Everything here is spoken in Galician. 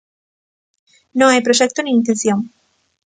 Non hai proxecto nin intención.